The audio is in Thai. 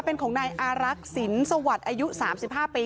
เป็นของนายอารักษ์สินสวัสดิ์อายุ๓๕ปี